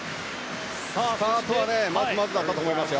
スタートはまずまずだったと思いますよ。